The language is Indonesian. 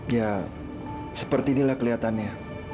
ya seperti inilah kelihatannya